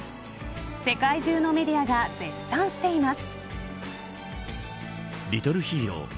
世界中のメディアが絶賛しています。